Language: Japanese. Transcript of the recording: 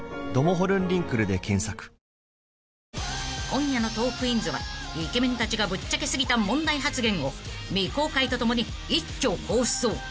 ［今夜の『トークィーンズ』はイケメンたちがぶっちゃけ過ぎた問題発言を未公開とともに一挙放送！